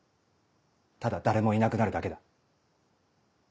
ただ誰もいなくなるだけだ。